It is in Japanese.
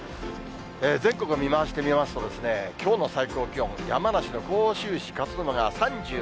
全国見回してみますとね、きょうの最高気温、山梨の甲州市勝沼が３７．２度。